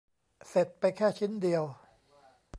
เสร็จไปแค่ชิ้นเดียว